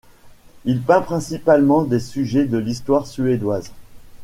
Il peint principalement des sujets de l'histoire suédoise.